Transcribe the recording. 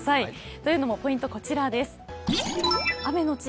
というのもポイント、こちらです。